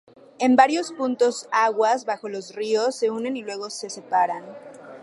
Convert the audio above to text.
En varios puntos aguas abajo los ríos se unen y luego se separan.